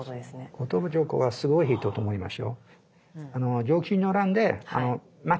後鳥羽上皇はすごい人と思いますよ。